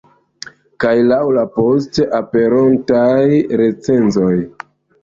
Kaj laŭ poste aperontaj recenzoj.